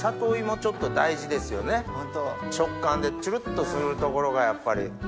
食感でチュルっとするところがやっぱり。